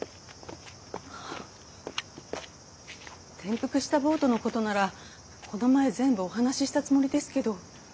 転覆したボートのことならこの前全部お話ししたつもりですけど。